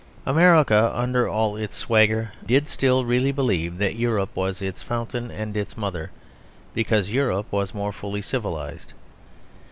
America, under all its swagger, did still really believe that Europe was its fountain and its mother, because Europe was more fully civilised.